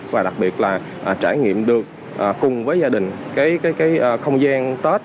và đặc biệt là trải nghiệm được cùng với gia đình cái không gian tết